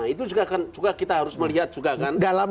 itu juga kita harus melihat juga kan